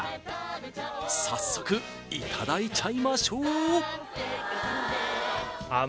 早速いただいちゃいましょうあーっ